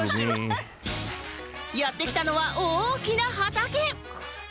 やって来たのは大きな畑